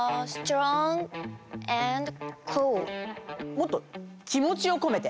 ．もっと気もちをこめて。